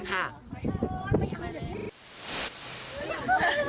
มาถ่ายเลย